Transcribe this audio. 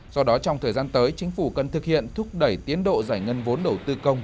do đó trong thời gian tới chính phủ cần thực hiện thúc đẩy tiến độ giải ngân vốn đầu tư công